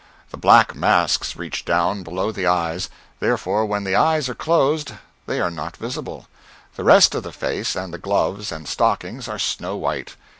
The black masks reach down below the eyes, therefore when the eyes are closed they are not visible; the rest of the face, and the gloves and stockings, are snow white.